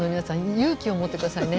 勇気を持ってくださいね。